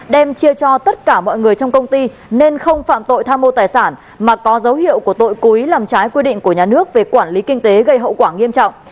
đem chia cho tất cả mọi người trong công ty nên không phạm tội tham mô tài sản mà có dấu hiệu của tội cố ý làm trái quy định của nhà nước về quản lý kinh tế gây hậu quả nghiêm trọng